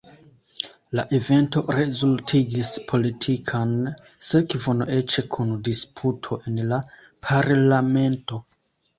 La evento rezultigis politikan sekvon eĉ kun disputo en la Parlamento.